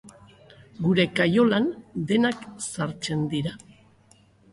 Gure kaiolan denak sartzen dira.